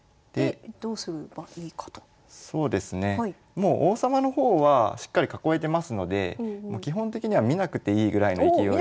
もう王様の方はしっかり囲えてますので基本的には見なくていいぐらいの勢いで。